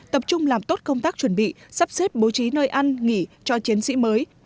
tập trung làm tốt công tác chuẩn bị sắp xếp bố trí nơi ăn nghỉ cho chiến sĩ mới